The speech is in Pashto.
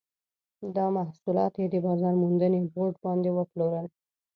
دا محصولات یې د بازار موندنې بورډ باندې وپلورل.